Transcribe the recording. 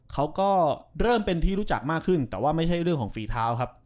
เขาก็เริ่มเป็นที่รู้จักมากขึ้นแต่ว่าไม่ใช่เรื่องของฝีเท้าครับ